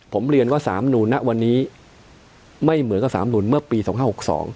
ผมเรียนว่าสามนูนณวันนี้ไม่เหมือนกับสามนุนเมื่อปีสองห้าหกสอง